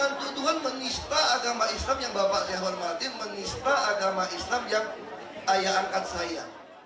tentu tuhan menista agama islam yang bapak saya hormati menista agama islam yang ayah angkat saya